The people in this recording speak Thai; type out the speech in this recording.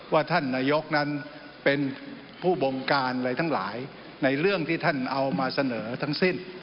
ว่าท่านนายกนั้นเป็นผู้บงการอะไรทั้งหลายในเรื่องที่ท่านเอามาเสนอทั้งสิ้น